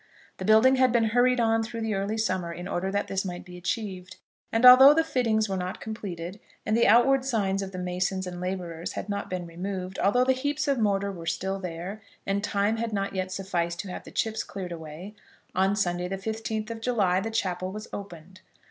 The building had been hurried on through the early summer in order that this might be achieved; and although the fittings were not completed, and the outward signs of the masons and labourers had not been removed, although the heaps of mortar were still there, and time had not yet sufficed to have the chips cleared away, on Sunday the fifteenth of July the chapel was opened.